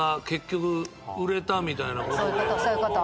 そういうことそういうこと。